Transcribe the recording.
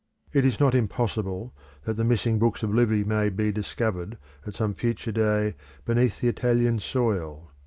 It is not impossible that the missing books of Livy may be, discovered at some future day beneath the Italian soil.